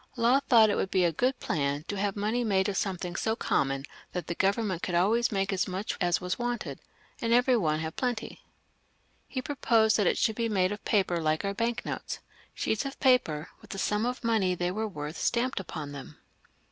Law thought it would be a good kM«i XLVi.] LOUIS XV, 365 plan to have money made of something so common that the Government could always make as much as was wanted, and every one have plenty. He proposed that it should be made of paper like our bank notes — sheets of paper, with the sum of money they were worth stamped upon them.